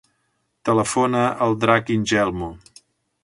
Telefona al Drac Ingelmo.